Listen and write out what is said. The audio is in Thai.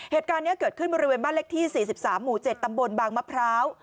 เหตุการณ์นี้เกิดขึ้นบริเวณบ้านเลขที่๔๓หมู่๗ตำบลบางมะพร้าว